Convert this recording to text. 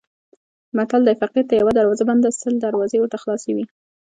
متل دی: فقیر ته یوه دروازه بنده سل ورته خلاصې وي.